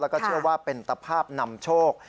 แล้วก็เชื่อว่าเป็นตภาพนำโชค